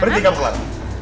pergi kamu kelar